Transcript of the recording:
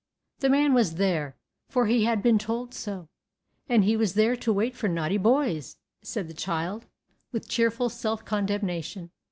The man was there, for he had been told so, and he was there to wait for "naughty boys," said the child, with cheerful self condemnation.